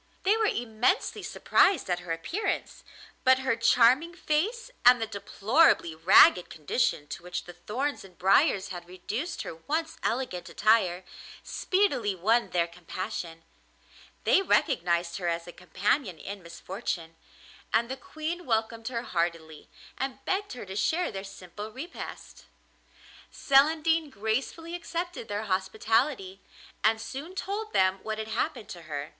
They were immensely surprised at her appearance, but her charming face, and the deplorably ragged condition to which the thorns and briers had reduced her once elegant attire, speedily won their compassion; they recognised her as a companion in misfortune, and the Queen welcomed her heartily, and begged her to share their simple repast. Celandine gracefully accepted their hospitality, and soon told them what had happened to her.